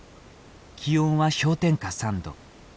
気温は氷点下３度。